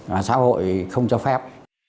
và xã hội không cho phép